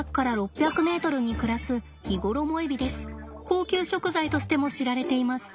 高級食材としても知られています。